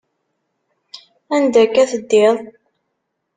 Anda akka teddiḍ?